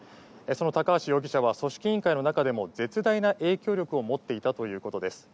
その高橋容疑者は組織委員会の中でも絶大な影響力を持っていたということです。